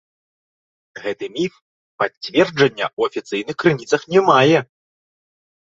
Гэты міф пацверджання ў афіцыйных крыніцах не мае.